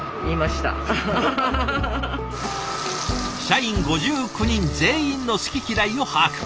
社員５９人全員の好き嫌いを把握。